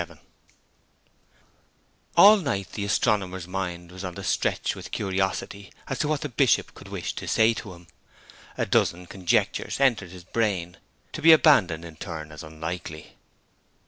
XXVII All night the astronomer's mind was on the stretch with curiosity as to what the Bishop could wish to say to him. A dozen conjectures entered his brain, to be abandoned in turn as unlikely.